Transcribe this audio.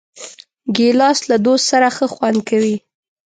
ګیلاس له دوست سره ښه خوند کوي.